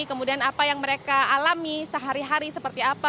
kemudian apa yang mereka alami sehari hari seperti apa